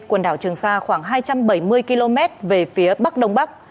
quần đảo trường sa khoảng hai trăm bảy mươi km về phía bắc đông bắc